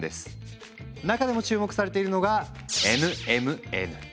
中でも注目されているのがＮＭＮ。